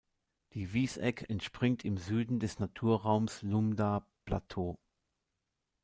Die Wieseck entspringt im Süden des Naturraums Lumda-Plateau.